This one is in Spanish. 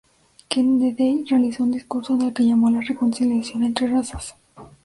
Kennedy realizó un discurso en el que llamó a la reconciliación entre razas.